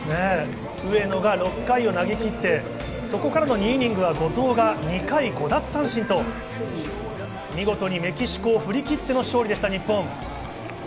上野が６回を投げきって、そこからの２イニングは後藤が２回５奪三振と見事にメキシコを振り切っての勝利でした日本。